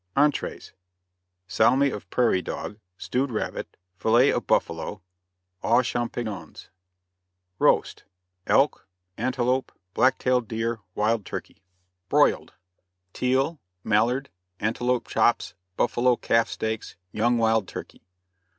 ENTREES. Salmi of Prairie Dog, Stewed Rabbit, Fillet of Buffalo, Aux Champignons. ROAST. Elk, Antelope, Black tailed Deer, Wild Turkey. BROILED. Teal, Mallard, Antelope Chops, Buffalo Calf Steaks, Young Wild Turkey.